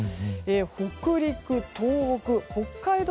北陸、東北、北海道